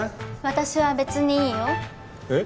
私は別にいいよえっ？